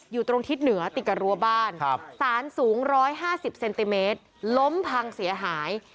อยู่ตรงทิศเหนือติดกับรัวบ้านสารสูง๑๕๐เซนติเมตรล้มพังเสียหาย